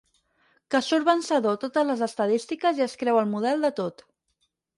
Que surt vencedor a totes les estadístiques i es creu el model de tot.